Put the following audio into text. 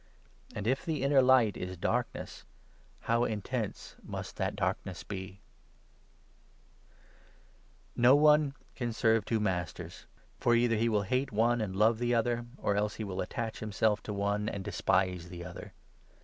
And, if the inner light is darkness, how intense must that darkness be ! No one can serve 24 True two masters, for either he will hate one and love the service, other, or else he will attach himself to one and despise the other.